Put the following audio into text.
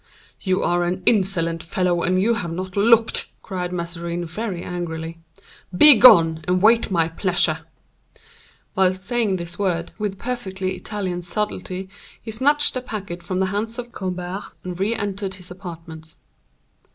"You are an insolent fellow, and you have not looked," cried Mazarin, very angrily; "begone and wait my pleasure." Whilst saying these words, with perfectly Italian subtlety he snatched the packet from the hands of Colbert, and re entered his apartments.